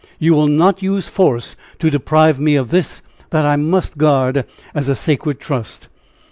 You will not use force to deprive me of this that I must guard as a sacred trust."